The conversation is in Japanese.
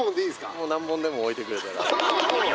もう何本でも置いてくれたら。